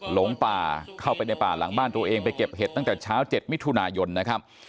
หลงป่าเข้าไปในป่าหลังบ้านตัวเองไปเก็บเห็ดตั้งแต่เช้า๗มิถุนายนนะครับ